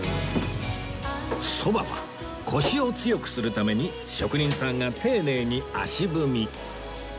蕎麦はコシを強くするために職人さんが丁寧に足踏み